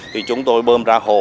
thì chúng tôi bơm ra hồ